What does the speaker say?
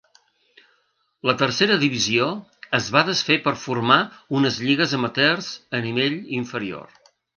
La Tercera Divisió es va desfer per a formar una les Lligues Amateurs de nivell inferior.